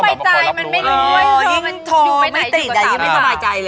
อ๋ออิงโทรไม่ติดอันนี้ไม่สบายใจเลย